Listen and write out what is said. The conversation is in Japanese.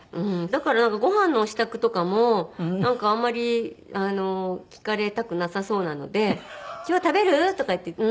だからなんかご飯の支度とかもなんかあんまり聞かれたくなさそうなので「今日食べる？」とかって言って。